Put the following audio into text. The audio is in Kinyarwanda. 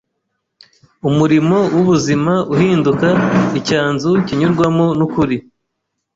umurimo w’ubuzima uhinduka icyanzu kinyurwamo n’ukuri